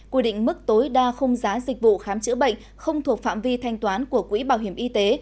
quy định mức tối đa không giá dịch vụ khám chữa bệnh không thuộc phạm vi thanh toán của quỹ bảo hiểm y tế